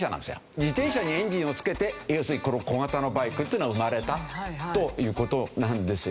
自転車にエンジンを付けて要するにこの小型のバイクっていうのは生まれたという事なんですよ。